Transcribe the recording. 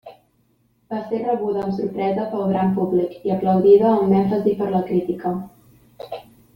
Va ser rebuda amb sorpresa pel gran públic i aplaudida amb èmfasi per la crítica.